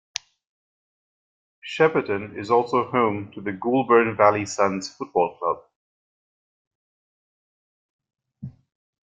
Shepparton is also home to the Goulburn Valley Suns Football Club.